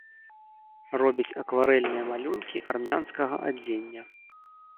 Робіць акварэльныя малюнкі армянскага адзення.